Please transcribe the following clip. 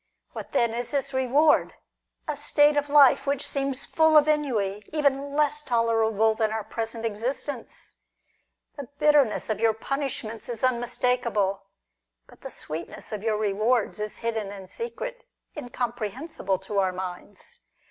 What then is this reward ? A state of life which seems full of ennui, even less tolerable than our present existence ! The bitterness of your punishments is unmistakable ; but the sweetness of your rewards is hidden and secret, incomprehensible to our minds.